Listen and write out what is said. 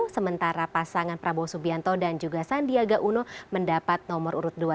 sementara pasangan prabowo subianto dan juga sandiaga uno mendapat nomor urut dua